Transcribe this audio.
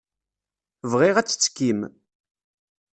Bɣiɣ ad tettekkim.